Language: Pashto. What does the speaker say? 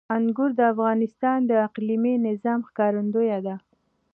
انګور د افغانستان د اقلیمي نظام ښکارندوی ده.